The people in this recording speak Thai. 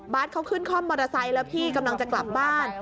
เขาขึ้นคล่อมมอเตอร์ไซค์แล้วพี่กำลังจะกลับบ้าน